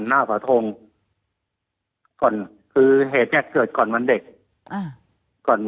หน้าปะทงคือเหตุเนี่ยเกิดก่อนวันเด็กอ่า